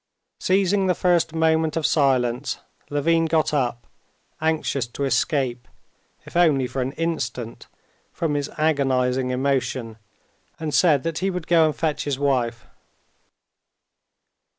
Seizing the first moment of silence, Levin got up, anxious to escape, if only for an instant, from his agonizing emotion, and said that he would go and fetch his wife.